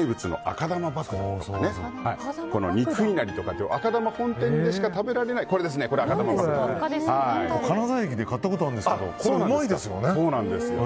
あと肉いなりとか赤玉本店でしか金沢駅で買ったことあるんですけどこれうまいですよね。